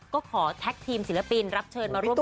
ก็ขอแท็กทีมศิลปินรับเชิญมาร่วมด้วย